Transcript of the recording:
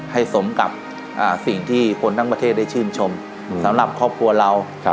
สมกับสิ่งที่คนทั้งประเทศได้ชื่นชมสำหรับครอบครัวเรา